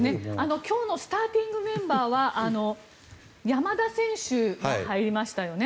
今日のスターティングメンバーは山田選手が入りましたよね。